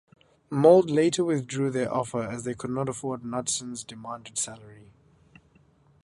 Molde later withdrew their offer as they could not afford Knudsen's demanded salary.